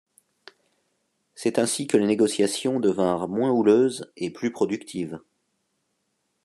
C’est ainsi que les négociations devinrent moins houleuses et plus productives.